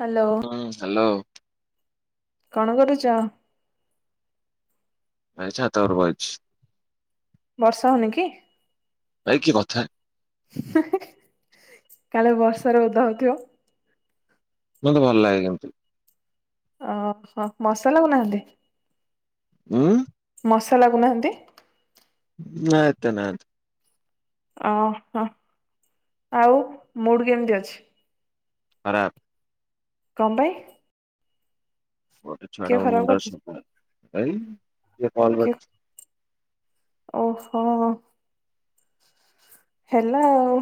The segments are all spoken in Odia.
ହ୍ୟାଲୋ ହୁଁ ହାଲୋ। କଣ କରୁଚ? ମୁଁ ଛାତ ଉପରେ ବଇଚି। ବର୍ଷା ହୋଉନି କି? ଭାଇ କି କଥା । ହିଁ ହାଁ ହାଁ କାଳେ ବର୍ଷାରେ ଓଦା ହୋଉଥିବ। ମତେ ଭଲ ଲାଗେ ଏମତି। ଅ ହ ମଶା ଲାଗୁନାହାନ୍ତି? ଉଁ? ମଶା ଲଗୁନାହାନ୍ତି? ନା ଏତେ ନାହାନ୍ତି। ଓ ହ ଆଉ ମୁଡ୍ କେମିତି ଅଛି? ଖରାପ୍। କଣ ପାଇଁ? ଟ ଛଡ଼ କିଏ ଖରାପ ମୁଣ୍ଡା ସ କରିଦେଇଛି? [unintelligible] କ କିଏ ଓହୋ। ହେଲା ଆଉ।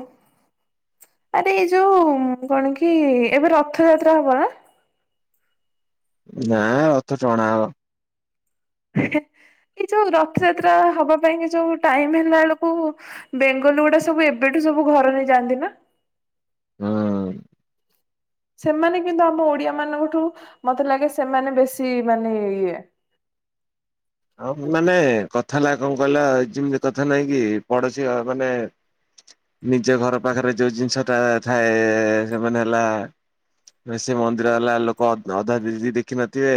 ଆରେ ଏଇ ଯୋଉ କଣ କି ଏବେ ରଥଯାତ୍ରା ହବ ନା। ନାଁ ରଥ ଟଣା ହବ। ଏଇ ଯୋଉ ରଥଯାତ୍ରା ହବା ପାଇଁ କି ଯୋଉ ଟାଇମ ହେଲା ବେଳକୁ ବେଙ୍ଗ ଲଗୁଡା ସବୁ ଏବେଠୁ ସବୁ ଘର ନେଇ ଯାଆନ୍ତି ନା। ହଁ। ସେମାନେ କିନ୍ତୁ ଆମ ଓଡିଆ ମାନଙ୍କଠୁ ମତେ ଲାଗେ ସେମାନେ ବେଶୀ ମାନେ ଇଏ [inaudible] ହଁ ମାନେ କଥା ହେଲା କଣ କହିଲା ଯେମିତି କଥା ନହିଁ କି ପଡୋଶୀ ମାନେ ନିଜ ଘର ପାଖରେ ଯୋଉ ଜିନିଷ ଟା ଥାଏ ସେମାନେ ହେଲା ସେ ମନ୍ଦିର ହେଲା ଲୋକ ଅଧା ଦିଦି ଦେଖିିନଥିବେ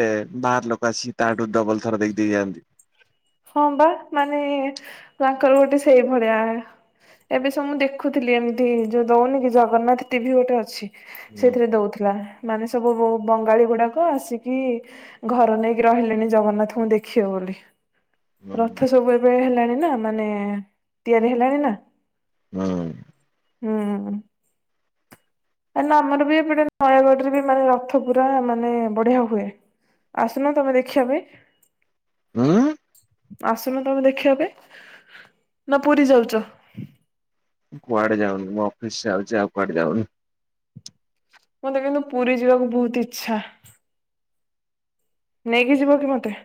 ବାହାର ଲୋକ ଆସିକି ତାଠୁ ଡବଲ ଥର ଦେଖ ଦି ହନ୍ତି। ହଁ ବା ମାନେ ତାଙ୍କର ଗୋଟେ ସେଇ ଭଳିଆ ଏବେ ସବ ମୁଁ ଦେଖୁଥିଲି ଏମିତି ଯୋଉ ଦଉନି କି ଜଗନ୍ନାଥ ଟିଭି ଗୋଟେ ଅଛି। ହୁଁ ସେଥିରେ ଦଉଥିଲା ମାନେ ସବୁ ବହୁ ବଙ୍ଗାଳୀ ଗୁଡାକ ଆସିକି ଘର ନେଇକି ରହିଲେଣି ଜଗନ୍ନାଥଙ୍କୁ ଦେଖିବ ବୋଲି। ହୁଁ ରଥ ସବୁ ଏବେ ହେଲାଣି ନା ମାନେ ତିଆରି ହେଲାଣି ନା। ହଁ। ହଁ। ଆମର ବି ଏପଟେ ନୟାଗଡ ରେ ବି ମାନେ ରଥ ପୁରା ମାନେ ବଢିଆ ହୁଏ। ଆସୁନ ତମେ ଦେଖିବା ପାଇଁ। ହୁଁ। ଆସୁନ ତମେ ଦେଖିବା ପାଇଁ ନା ପୁରୀ ଯାଉଛ। କୁଆଡେ ଯାଉନି ମୁଁ ଅଫିସ ଯାଉଛି ଆଉ କୁଆଡେ ଯାଉନି। ମତେ କିନ୍ତୁ ପୁରୀ ଯିବାକୁ ବହୁତ ଇଛା। ନେଇକି ଯିବ କି ମତେ?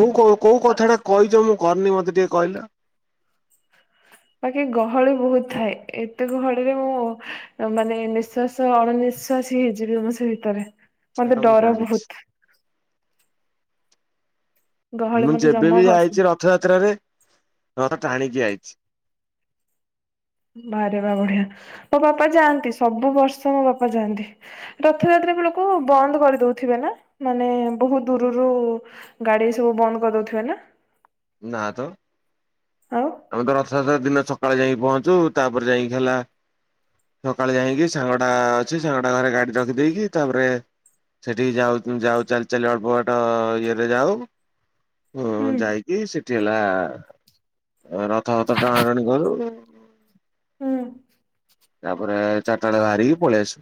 କୋଉ କୋଉ କଥାଟା କହିଛ ମୁଁ କରନି ମତେ ଟିକେ କହିଲେ। ବାକି ଗହଳି ବହୁତ ଥାଏ ଏତେ ଗହଳିରେ ମୁଁ ମାନେ ନିଃଶ୍ଵାସ ଅଣନିଶାସ ଆଶାସ ହେଇଯିବି ଆ ସେ ଭିତରେ ସେଇଟା ମତେ ମୁଁ ଡର ଜାଣିଛି ବହୁତ୍ ଗହଳି ମୁଁ ମତେ ଜମା ଯେବେବି ଭସେନି। ଯାଇଚି ରଥ ଟାଣିକି ଆଇଚି ବାରେବା ବଢିଆ ମୋ ବାପା ଯାଆନ୍ତି ସବୁ ବର୍ଷ ମୋ ବାପା ଯାଆନ୍ତି ରଥଯାତ୍ ଲୋକ ବନ୍ଦ କରିଦଉଥିବେ ନା ମାନେ ବହୁତ ଦୂରରୁୁ ଗାଡି ସବୁ ବନ୍ଦ କରିଦଉ ଥିଵେନା ନା ତ ଆମେ ତ ରଥ ଦିନ ସକାଳେ ଯାଇକି ପହଞ୍ଚୁ ତାପରେ ଯାଇକି ହେଲା ସକାଳେ ଯାଇକି ସାଙ୍ଗଟା ଅଛି ସାଙ୍ଗଟା ଘରେ ଗାଡି ରଖିଦେଇକି ତାପରେ ସେଠିକି ଯାଉ ଯାଉ ଚାଲି ଚାଲି ଅଳ୍ପ ବାଟ ଇଏରେ ଯାଉ ହୁଁ ହଁ ଯାଇକି ସେଠି ହେଲା ରଥ ଫଥ ଟଣା ଟଣି କରୁ ହୁଁ ତାପରେ ଚାଟାଳେ ଭାରିକି ପଳାସୁ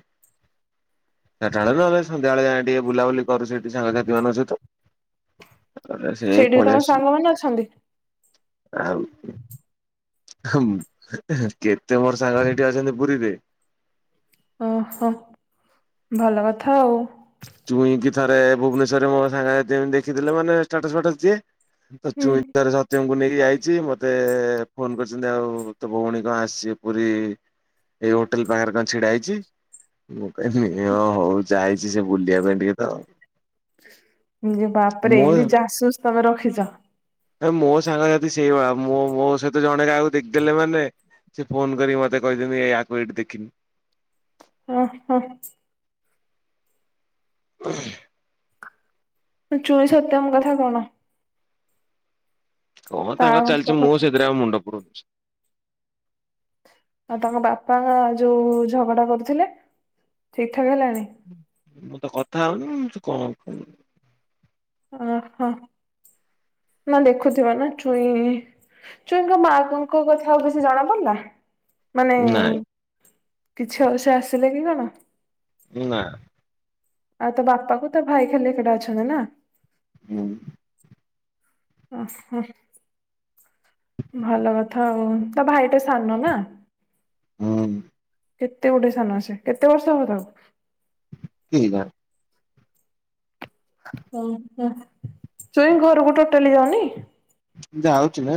ସେତେବେଳେ ନହେଲେ ସନ୍ଧ୍ୟାବେଳେ ଯାଏ ଟିକେ ବୁଲାବୁଲି କରୁଚି ସେଇଠି ସାଙ୍ଗସାଥି ମାନଙ୍କ ସହିତ ଆରେ ସେଇ ସେଇଠି ତମ ପଳେଆସ୍ଲୁ ସାଙ୍ଗମାନେ ଅଛନ୍ତି ଆଉ ଆଉ ହୁଁ କେତେ ମୋର ସାଙ୍ଗ ହେ କିଏ ଛନ୍ତି ପୁରୀରେ ଓହୋ ଭଲ କଥାଉ ଚୁଇଁକି ଥରେ ଭୁବନେଶ୍ୱରରେ ମୋ ସାଙ୍ଗସାଥିନେ ଦେଖିଥିଲେ ମାନେ ଷ୍ଟାଟସ୍ ଫାଟସ୍ ଦିଏ। ତ ହୁଁ ଚୁଇଁ ତାର ଜ ତକୁ ନେଇକି ଯାଇଚି ମତେ ଫୋନ୍ କରିଛନ୍ତି ଆଉ ତୋ ଭଉଣୀ କଣ ଆସିଛି ପୁରୀ ଏଇ ହୋଟେଲ ପାଖରେ କଣ ଛିଡା ହେଇଚି, ମୁଁ କହିନି ଓ ହଉ ଯାଇଛି ସେ ବୁଲିବା ପାଇଁ ଟିକେ ତ ବାପରେ ମୋ ଏମିତି ଯାସୁସ ତମେ ରଖିଚ। ଆ ମୋ ସାଙ୍ଗ ସାଥି ସେଇଭଳିଆ ମୋ ମୋ ସହିତ ତ ଜଣେ କାହାକୁ ଦେଖିଦେଲେ ମାନେ ସେ ଫୋନ କରିକି ମତେ କହିଦଛନ୍ତି ଏଇୟାକୁ ଏଇଠି ଦେଖିନି। ହ ହ । ହ। ଚୁମ ସତ୍ୟେମକା ଥା ନା [unintelligible] କଣ ତାଙ୍କର ତାଙ୍କ ଚାଲଚି ମୁଁ କଥା ସେଥିରେ ଆଉ ମୁଣ୍ଡପୁରଉଚି । ଆଉ ତାଙ୍କ ବାପା ଯୋଉ ଝଗଡା କରୁଥିଲେ। ଠିକ୍ ମୁଁ ତ କଥା ହଉନି ସିଏ କଣ କଇବ ଓହୋ ନା ଦେଖୁଥିବ ନା ଚୁଇଁ ଚୁଇଁଙ୍କ ମାଙ୍କ କଥା ଆଉ କିଛି ଜଣା ପଡ଼ିଲା? ମାନେ ନାଇଁ କିଛି ଅ ସେ ଆସିଲେ କି କଣ? ନା। ଆଉ ତା ବାପା କୁ ତା ଭାଇ ଖାଲି ଏକୁଟିଆ ଅଛନ୍ତି ନା? ହୁଁ । ଓ ହ। ଭଲ କଥା ଆଉ ତ ଭାଇତ ସାନ ନା? ହୁଁ । କେତେ ଗୋଟେ ସାନ ସେ କେତେ ବର୍ଷ ହବ ତାକୁ? କେଜାଣି ହଁ ହଁ ଚୁଇଁ ଘରକୁ ଟୋଟାଲି ଯାଉନି? ଯାଉଛି ନା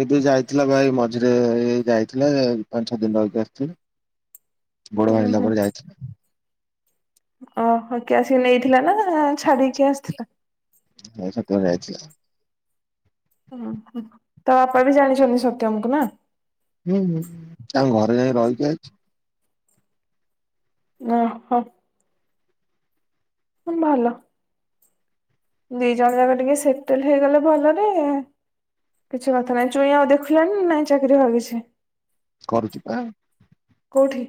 ଏବେ ଯାଇଥିଲା ବା ଏ ମଝିରେ ଏ ଯାଇଥିଲା ପାଞ୍ଚ ଛଅ ଦିନ ରହିକି ଆସିଲା । ହ [unintelligible] ବୋଡ ହେଲା ପରେ ଯାଇଥିଲା। ଓ କିଏ ଆସିକି ନେଇଥିଲା, ନା ଛାଡିକି କିଏ ଆସିଥିଲା? ହ ସତଳ ଯାଇଛଥିଲା। ହୁଁ ତା ବାପା ବି ଜାଣିଛନ୍ତି ସତ୍ୟମକୁ ନା? ହୁଁ ହୁଁ ତାଙ୍କ ଘରେ ଯାଇକି ରହିକି ଆଇଚି। ଓ ହୋ । ଭଲ । ଦି ଜଣ ଯାକ ଟିକେ ସେଟେଲ ହେଇଗଲେ ଭଲରେ କିଛି କଥା ନାଇଁ ଚୁଇଁ ଆଉ ଦେଖିଲାଣି ନାଇଁ ଚାକିରି ବା କିଛି । କରୁଚି ପା କଉଠି?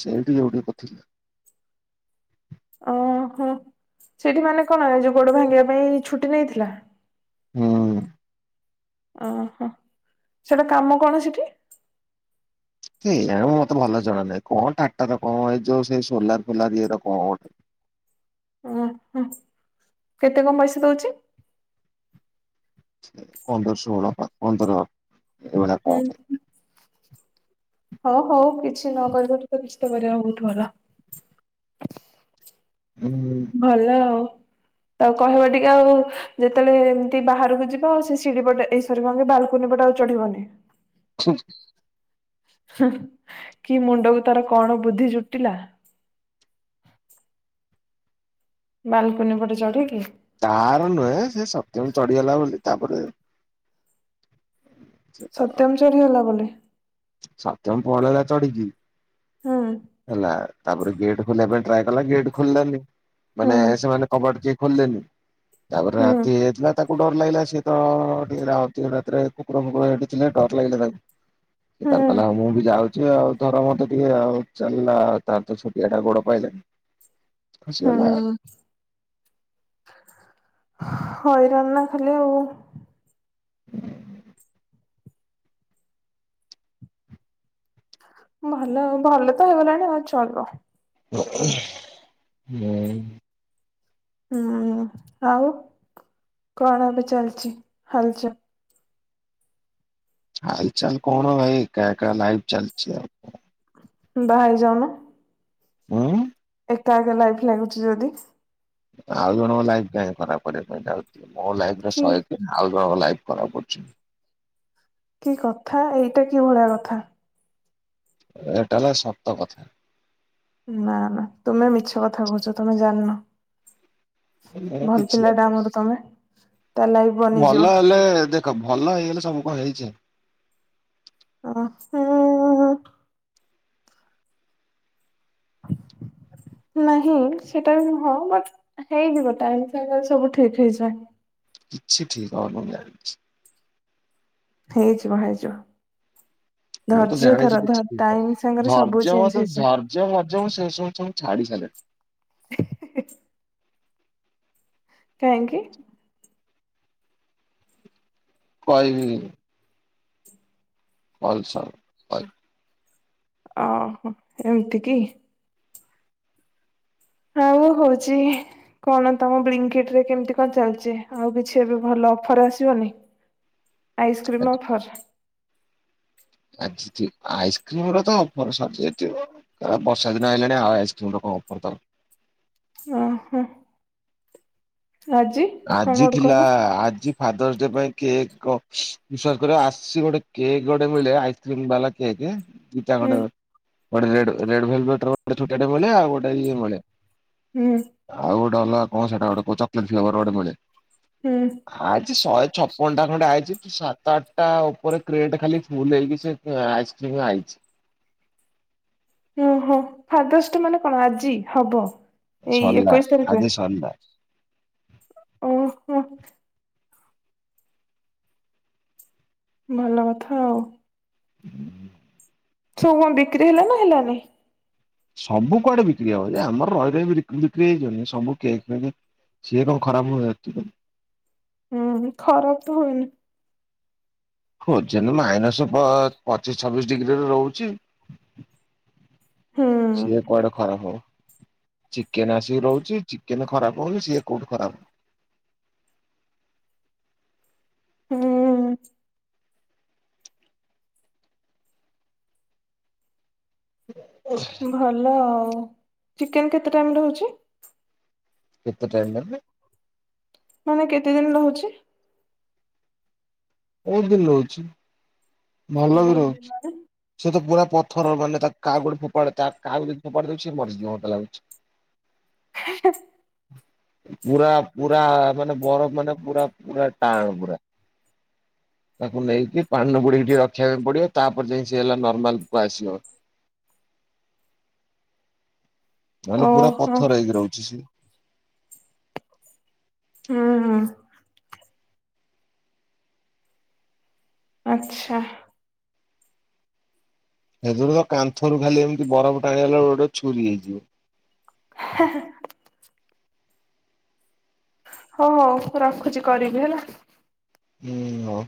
ସେଇଠି ଯୋଉଠି କରଥିଲି। ଓହୋ ସେଇଠି ମାନେ କଣ ଏ ଯୋଉ ଗୋଡ ଭାଙ୍ଗିବା ପାଇଁ ଛୁଟି ନେଇଥିଲା? ହୁଁ । ଓହୋ ସେଟା କାମ କଣ ସେଠି? କେଜାଣି ମତେ ଭଲ ରେ ଜଣା ନାହିଁ କଣ ଟାଟା ର କଣ ଏଇ ଯୋଉ ସେଇ ସୋଲାର ଫୋଲାର ଇଏ ର କଣ ଗୋଟେ । ହ ଓ ହ କେତେ କଣ ପଇସା ଦଉଚି? ପନ୍ଦର ଷୋହଳ ପା ପନ୍ଦର ଏଭଳିଆ କଣ ହୁଁ ଗୋଟେ ହଉ ହଉ କିଛି ନ କରିବାଠୁ ତ କିଛି ତ କରିବା ବହୁତ ଭଲ । ହୁଁ। ଭଲ ଆଉ । ଆଉ କହିବା ଟିକେ ଆଉ ଯେତେବେଳେ ଏମିତି ବାହାରକୁ ଯିବା ଆଉ ସେ ସିଡିି ପଟେ ଏଈ ଶରି ରେ କହେ ବାଲକୁନି ପଟ ଚଢିବନି । ହ । କି ମୁଣ୍ଡକୁ ତାର କଣ ବୁଦ୍ଧି ଜୁଟିଲା [unintelligible] ବାଲକନି ପଟେ ଚଢିକି ତାର ନୁହେଁ ସେ ସଡ଼ନ ଚଢିଗଲା ବୋଲି ତାପରେ ସେ ତାର ସତ୍ୟମ ଚଢି ଗଲା ବୋଲି ସତ୍ୟମ ପଳେଇଲା ଚଡ଼ିିକି ହୁଁ ହେଲା ତାପରେ ଗେଟ୍ ଖୋଲିବା ପାଇଁ ଟ୍ରାଏ କଲା ଗେଟ୍ ଖୋଲିଲାନି ହୁଁ ମାନେ ସେମାନେ କବାଟ ଟି ଖୋଲିଲେନି ତାପରେ ହୁଁ ରାତି ହେଇଯାଇଥିଲା ତାକୁ ଡର ଲାଗିଲା ସିଏ ତ ଟିକେ ରାହୁଥ ରାତିରେ କୁକୁର ଫୁକୁରିକ ହେଟି ଡ଼ର ଲାଗିଲେ ତାଙ୍କୁ ସେ ତାର ହୁଁ। କହିଲା ହୋଉ ମୁଁ ବି ଯାଉଛି ଆଉ ଧର ମତେ ଟିକେ ଆଉ ଚାଲାଲା ତାର ତ ଛୁଟିଆଟା ଗୋଡ଼ ପାଇଲାନି ଖସିଗଲା ହୁଁ ହଇରାଣ ନା ହ୍ୟାଲୋ। ହ ଭଲ ଭଲ ତ ହେଇଗଲାଣି ଆଉ ଚଳିବ ହୁଁ। ହୁଁ ଆଉ କଣ ଏବେ ଚାଲିଛି ହଲ ଚାଲ ହାଇ ଚାଲ କଣ ଭାଇ ଏକା ଏକା ଲାଇଫ ଚାଲଚି ଆଉ କଣ ବାହା ହେଇ ଯାଉନ ହଁ। ଏକା ଏକା ଲାଇଫ ଲାଗୁଛି ଯଦି ଆଉ ଜଣଙ୍କ ଲାଇଫ କାଇଁ ଖରାପ କରିବା ପାଇଁ ଯାଉଛି ମୋ ଲାଇ କି ଶହେ ତିନ ଆଉ ଜଣଙ୍କ ଲାଇଫ ଖରାପ ଅଛି କି କଥା ଏଇଟା କି ଭଳିଆ କଥା ଏଟା ହେଲା ସତ କଥା। ନା ନା ତୁମେ ମିଛ କଥା କହୁଛ ତୁମେ ଜାନ ଭଲ କିଛି ପିଲା ଟା ହେଲେ ଆମର ତମେ ତା ଲାଇଫ ବନିଯିବ ଭଲ ହେଲେ ଦେଖ ଭଲ ହେଇଗଲେ ସବୁ କଣ ହେଇଯାଏ। ଅ ହ। ଆ ନାହିଁ ସେଟା ବି ନୁହଁ ବଟ ହେଇଯିବ ଟାଇମ ସାଙ୍ଗରେ ସବୁ ଠିକ ହେଇଯାଏ। କିଛି ଠିକ ହେବନି ମୁଁ ଜାଣିଛି। ହେଇ ଯିବ ହେଇ ଯିବ। ମୁଁ ତ ଜାଣିଛି କିଛି ଠିକ୍ ହେବନି ସାଙ୍ଗରେ ସବୁ ଧୈର୍ଯ୍ୟ ଚେଞ୍ଜ ମତ ହେଇଯାଏ ଧୈର୍ଯ୍ୟ ଧଯ୍ୟ ସେ ସବୁ ମୁଁ ଛାଡ଼ି ଛାଡ଼ି ସାରିଲିଣି। [unintelligible] କାହିଁକି? କହିବି। କଲ୍ ସରୁ କହିବି। ଓହୋ ଏମିତି କି? ହଉ ହଉଛି କଣ ତମର ବ୍ଲିଙ୍କିଟ୍ ରେ କେମତି କଣ ଚାଲିଚ ଆଉ କିଛି ଏବେ ଭଲ ଅଫର ଆସିବନି। Ice cream offer. ଆସିଛି ଆଇସ୍କ୍ରିମ ର ତ ଅଫର ସରି ଯାଇଛି ବର୍ଷା ଦିନ ହେଲାଣି ଆଉ ଆଇସ୍କ୍ରିମ ର କଣ ଅଫର ଥିବ। ଓ ହୋ। ଆଜି ଗୋଟେ ଥିଲା କହିଲ ଆଜି ଫାଦର୍ସ ଡେ ପାଇଁ କେକ୍ ଅଛି ବିଶ୍ୱାସ କର ଆସି ଗୋଟେ କେକ୍ ଗୋଟେ ମିଳେ ଆଇସ୍କ୍ରିମ୍ ବାଲା କେକ୍। ଇକେ ଦିଟା ହୁଁ ଖଣ୍ଡେ ରେଟ୍ ରେଟ୍ ଫେଟ ଗୋଟେ ଛୋଟିଆ ଟେ ମିଳେ ଆଉ ଗୋଟେ ଇଏ ମିଳେ। ହୁଁ। ଆଉ ଗୋଟେ ଅଲଗା କଣ ସେଇଟା ଗୋଟେ ଚକୋଲେଟ୍ ଫେଭର୍ ମିଳେ। ହୁଁ ଆଜି ଶହେ ଛପନ ଟା ଖଣ୍ଡେ ଆଇଛି ସାତ ଆଠଟା ଉପରେ କ୍ରେଟ୍ ଖାଲି ଫୁଲ ହେଇକି ସେ ଆଇସ୍କ୍ରିମ ଆଇଛି। ଓ ହୋ ଫାଥର୍ସ ଡେ ମାନେ କଣ ଆଜି ହବ? ଏଇ ସରିଲା ଏକୋଇଶ ଆଜି ତାରିଖରେ। ସରିଲା। ଓହୋ। ଭଲ କଥା ଆଉ। [inaudible] ସବୁ ବିକ୍ରି ହେଲା ନା ହେଲାନି? ସବୁ କୁଆଡେ ବିକ୍ରି ହବ ଯେ ଆମର ରହି ରହି ବି ବିକ୍ରି ହେଇ ଯିବନି ସବୁ କେକ୍ ଫେକ୍। ସିଏ କଣ ଖରାପ ହୁଏ। ହୁଁ ଖରାପ ତ ହୁଏନି। ହୋଜେନ୍ ମାଇନସ ପ ପଚିଶ ଛବିଶ ଡିଗ୍ରୀରେ ରହୁଛି। ହୁଁ ସିଏ କୁଆଡେ ଖରାପ ହବ। ଚିକେନ ଆସିକି ରହୁଛି ଚିକେନ ଖରାପ ହଉନି ସିଏ କୋଉଠୁ ଖରାପ [inaudible] ହୁଁ। ଭଲ ଆଉ ଚିକେନ କେତେ ଟାଇମ ରହୁଛି? କେତେ ଟାଇମ୍ ମାନେ? ମାନେ କେତେ ଦିନ ରହୁଛି? ବହୁତ ଦିନ ରହୁଛି ଭଲ ବି ବହୁତ ଦିନ। ରହୁଛି ସେ ତ ପୁରା ପଥର ମାନେ ତା କାକୁ ଗୋଟେ ଫୋପାଡ ତା କାକୁ ଗୋଟେ ଫୋପାଡି ଦଉଛି ସେ ମରିଯିବ ମୋତେ ଲାଗୁଛି। ହେଁ ହେଁ। ପୁରା ପୁରା ମାନେ ବରଫ ମାନେ ପୁରା ପୁରା ଟାଣ ପୁରା। ତାକୁ ନେଇକି ପାଣିରେ ବୁଡ଼ି ବୁଡ଼େଇକି ରଖିବା ପାଇଁ ପଡିବ ତାପରେ ଯାଇ ସେ ହେଲା ନର୍ମାଲକୁ ଆସିବ। [inaudible] ନହେଲେ ପୁରା ଓହୋ ପଥର ହେଇକି ରହୁଛି ସିଏ। ହୁଁ ହୁଁ। ଆଚ୍ଛା। ସେଥିରୁ ତ କାନ୍ଥରୁ ଖାଲି ଏମିତି ବରଫ ଟାଣିଗଲା ଗୋଟେ ଛୁରୀ ହେଇଯିବ। ହେହେ। ହଁ, ହଉ ରଖୁଛି କରିବି ହେଲା । ହୁଁ ରଖ